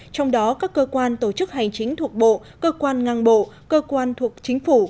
trong đó các cơ quan tổ chức hành chính thuộc bộ cơ quan ngang bộ cơ quan thuộc chính phủ